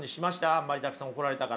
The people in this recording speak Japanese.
あんまりたくさん怒られたから。